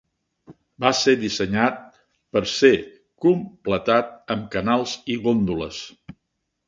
Va ser dissenyat per ser completat amb canals i góndoles.